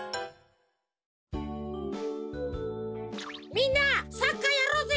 みんなサッカーやろうぜ。